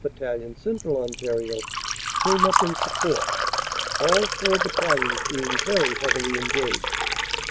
Battalion, Central Ontario, came up in support, all four battalions being very heavily engaged.